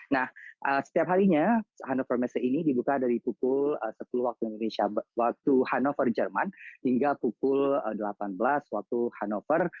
nah setiap harinya hannover messe ini dibuka dari pukul sepuluh waktu indonesia waktu hannover jerman hingga pukul delapan belas waktu hannover